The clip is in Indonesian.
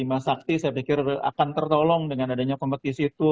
mas sakti saya pikir akan tertolong dengan adanya kompetisi itu